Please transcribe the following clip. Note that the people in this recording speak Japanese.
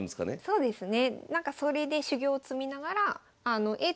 そうですね。